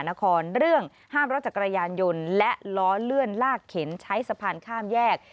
นครเรื่องห้ามรถจักรยานยนต์และล้อเลื่อนลากเข็นใช้สะพานข้ามแยก